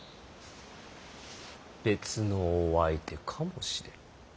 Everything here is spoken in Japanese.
別のお相手かもしれん。